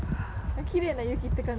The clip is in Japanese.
きれいな雪って感じ。